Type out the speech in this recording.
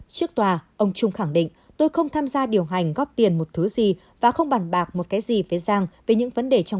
trước tòa ông trung khẳng định tôi không tham gia điều hành góp tiền một thứ gì và không bàn bạc một cái gì